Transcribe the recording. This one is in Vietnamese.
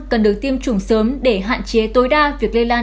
cần được tiêm chủng sớm để hạn chế tối đa việc lây lan